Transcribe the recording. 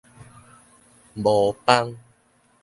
模枋